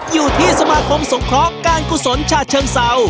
อยู่ที่สมาคมสงครอการกุศลชาชเชิงเซา